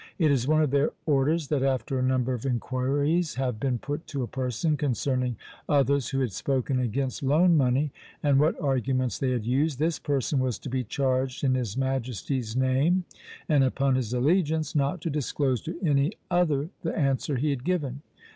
It is one of their orders that after a number of inquiries have been put to a person, concerning others who had spoken against loan money, and what arguments they had used, this person was to be charged in his majesty's name, and upon his allegiance, not to disclose to any other the answer he had given.